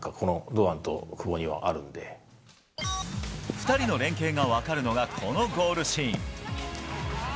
２人の連係が分かるのがこのゴールシーン。